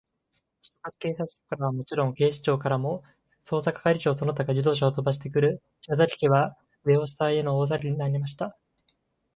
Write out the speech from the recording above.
所轄警察署からはもちろん、警視庁からも、捜査係長その他が自動車をとばしてくる、篠崎家は、上を下への大さわぎになりました。